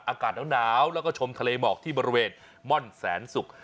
อากาศหนาวแล้วก็ชมทะเลหมอกที่บริเวณม่อนแสนศุกร์